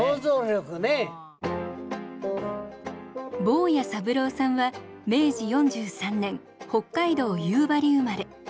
坊屋三郎さんは明治４３年北海道夕張生まれ。